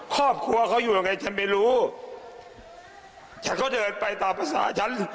ครอบครัวเขาอยู่ยังไงฉันไม่รู้ฉันก็เดินไปตามภาษาฉัน